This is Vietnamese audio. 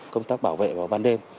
công tác bảo vệ vào ban đêm